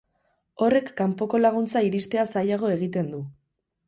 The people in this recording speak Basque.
Horrek kanpoko laguntza iristea zailago egiten du.